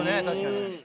確かに。